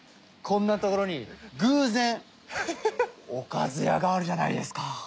こんなところに偶然「おかずや」があるじゃないですか。